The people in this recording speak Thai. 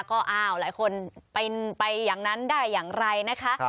ก็อ้าวหลายคนเป็นไปอย่างนั้นได้อย่างไรนะคะ